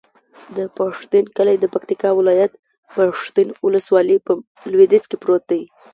د پښتین کلی د پکتیکا ولایت، پښتین ولسوالي په لویدیځ کې پروت دی.